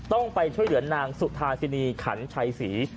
ต้องไปช่วยเหลือนางสุธาสินีขันชัยศรี